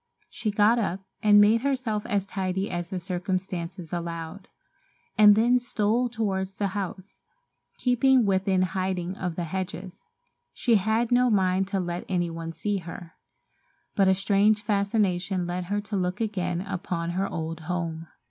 She got up and made herself as tidy as the circumstances allowed, and then stole toward the house, keeping within hiding of the hedges. She had no mind to let any one see her, but a strange fascination led her to look again upon her old home.